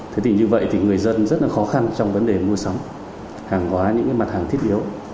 thế thì như vậy thì người dân rất là khó khăn trong vấn đề mua sắm hàng hóa những mặt hàng thiết yếu